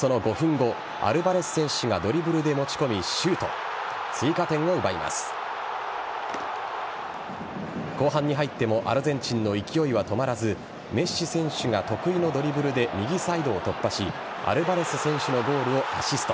後半に入ってもアルゼンチンの勢いは止まらずメッシ選手が、得意のドリブルで右サイドを突破しアルヴァレス選手のゴールをアシスト。